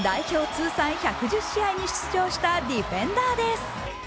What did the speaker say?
通算１１０試合に出場したディフェンダーです。